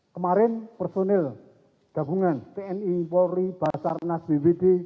kemarin personil gabungan tni polri basarnas bpd